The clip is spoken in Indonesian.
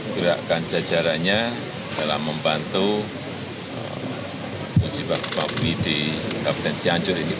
gerakan jajarannya dalam membantu usibah bapak widhi kapten cianjur ini